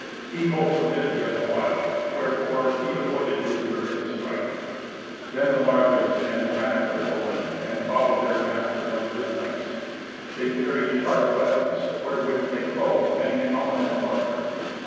He hoped to live yet awhile; wherefore he avoided Rudeger in the strife. Then the Margrave's men ran at their foemen, and followed their master like good knights. They carried sharp weapons, wherewith they clove many a helmet and buckler.